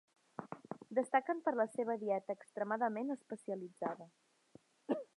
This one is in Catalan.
Destaquen per la seva dieta extremadament especialitzada.